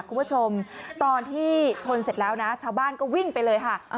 คุณผู้ชมตอนที่ชนเสร็จแล้วนะชาวบ้านก็วิ่งไปเลยค่ะ